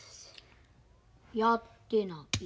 やってない。